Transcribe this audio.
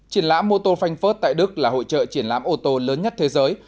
triển lãm mô tô frankfurt tại đức là hội trợ triển lãm ô tô lớn nhất thế giới